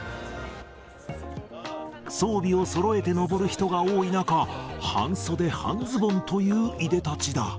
装備をそろえて登る人が多い中、半袖、半ズボンといういでたちだ。